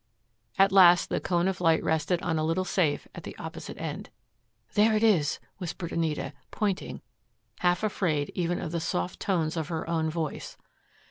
At last the cone of light rested on a little safe at the opposite end. "There it is," whispered Anita, pointing, half afraid even of the soft tones of her own voice.